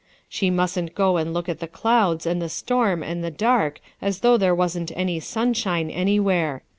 "She mustn't go and look at the clouds and the storm and the dark as though there wasn't any sunshine anywhere.